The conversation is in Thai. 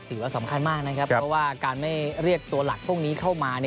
ถือว่าสำคัญมากนะครับเพราะว่าการไม่เรียกตัวหลักพวกนี้เข้ามา